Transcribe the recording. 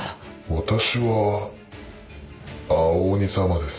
私は青鬼様です。